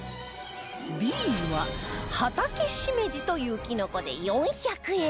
Ｂ はハタケシメジというきのこで４００円